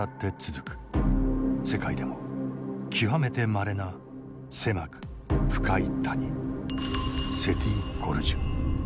世界でも極めてまれな狭く深い谷セティ・ゴルジュ。